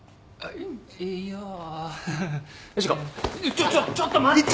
ちょっちょっと待って。